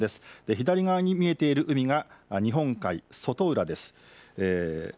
左側に見えている海が日本海外浦です。